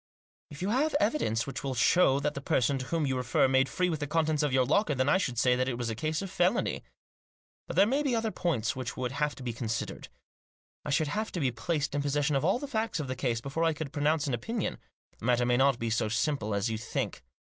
" If you have evidence which will show that the person to whom you refer made free with the contents of your locker, then I should say that it was a case of felony. But there may be other points which would have to be considered. I should have to be placed in possession of all the facts of the case before I could pronounce an opinion. The matter may not be so simple as you think."